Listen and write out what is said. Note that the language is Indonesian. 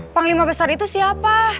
panglima besar itu siapa